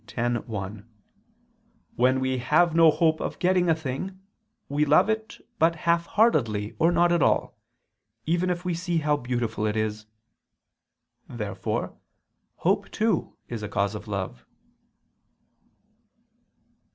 x, 1): "When we have no hope of getting a thing, we love it but half heartedly or not at all, even if we see how beautiful it is." Therefore hope too is a cause of love.